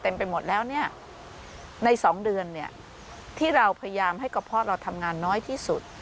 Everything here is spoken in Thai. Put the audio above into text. ไปหมดแล้วเนี่ยใน๒เดือนเนี่ยที่เราพยายามให้กระเพาะเราทำงานน้อยที่สุด